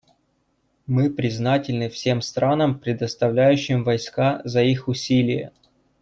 Мы признательны всем странам, предоставляющим войска, за их усилия.